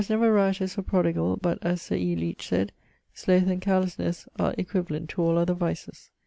never riotous or prodigall; but (as Sir E. Leech said) sloath and carelesnesse equivalent to all other vices.